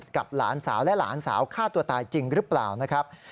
หลานสาวและหลานสาวฆ่าตัวตายจริงหรือเปล่านะครับ